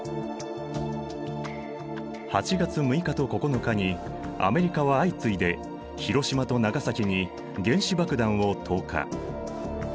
８月６日と９日にアメリカは相次いで広島と長崎に原子爆弾を投下。